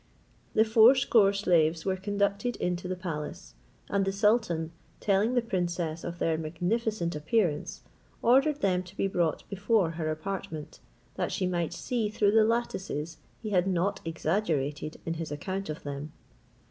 The fourscore slaves were conducted in to the palace; and the sultan, telling the princess of their magnificent appearance, ordered them to be brought before her apartment, that she might see through the lattices he had not exaggerated in his account of them.